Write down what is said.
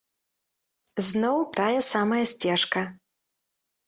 Зноў тая самая сцежка!